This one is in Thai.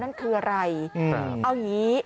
นั่นคืออะไรเอาหี